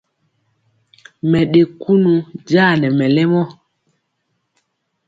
Mɛ ɗe kunu jaa nɛ mɛlɛmɔ.